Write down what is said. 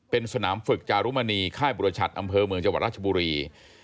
เป็นสนามฝึกจารุมณีค่ายบุรชัดอำเภอเมืองจังหวัดราชบุรี